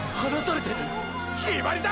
決まりだ！！